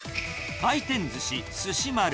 回転寿司すし丸。